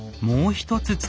もう一つ。